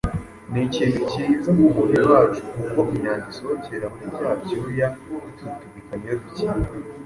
Ni ikintu kiza ku mubiri wacu kuko imyanda isohokera muri bya byuya dututubikana iyo dukina.